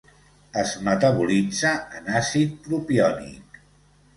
Es metabolitza en àcid propiònic.